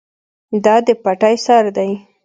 دا د پټی سر دی.